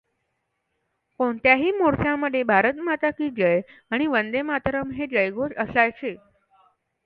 कोणत्याही मोर्चामध्ये भारत माता की जय आणि वंदेमातरम् हे जयघोष असायचे.